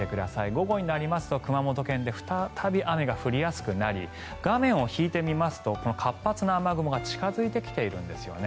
午後になると熊本県で再び雨が降りやすくなり画面を引いてみますと活発な雨雲が近付いてきているんですね。